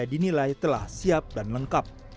dinilai telah siap dan lengkap